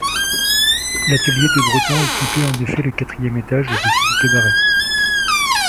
L'atelier de Breton occupait en effet le quatrième étage au-dessus du cabaret.